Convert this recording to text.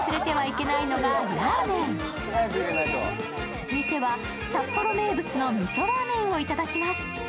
続いては、札幌名物のみそラーメンをいただきます。